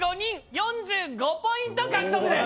４５ポント獲得です！